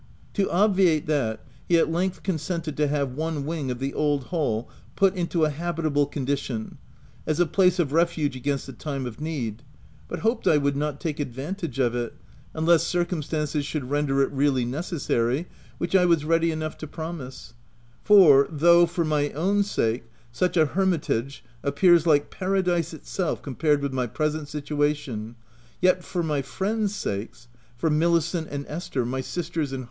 To ob viate that, he at length consented to have one wing of the old Hall put into a habitable con dition, as a place of refuge against a time of need ; but hoped I would not take advantage of it, unless circumstances should render it really necessary, which I was ready enough to pro mise; for, though, for my own sake, such a hermitage appears like paradise itself compared with my present situation, yet for my friends' sakes — for Milicent and Esther, my sisters in OF WILPFELL HALL.